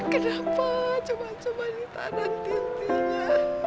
kenapa cuma cuma ini tak ada intinya